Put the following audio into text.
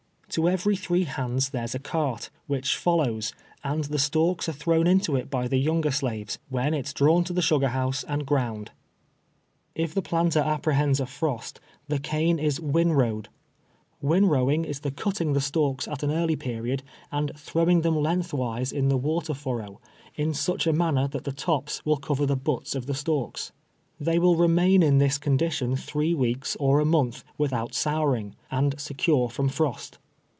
To every three hands there is a cart, which follows, and the stalks are thrown into it by the younger slaves, when it is drawn to the su gar house and ground. If the planter apprehends a frost, the cane is win rowed, "NVinrowing is the cutting the stalks at an early period and throwing them lengthwise in the wa ter furrow in such a manner that the tops will cover the butts of the stalks. They will remain in this con dition three weeks or a month without souring, and secure from frost.